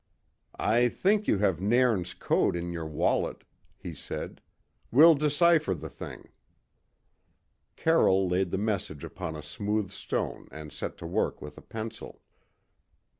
"I think you have Nairn's code in your wallet," he said. "We'll decipher the thing." Carroll laid the message upon a smooth stone and set to work with a pencil.